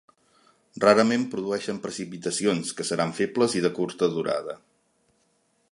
Rarament produeixen precipitacions, que seran febles i de curta durada.